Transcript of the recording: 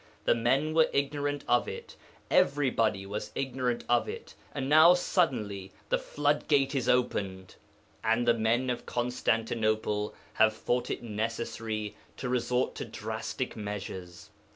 The men were ignorant of it; everybody was ignorant of it; and now suddenly the floodgate is opened and the men of Constantinople have thought it necessary to resort to drastic measures.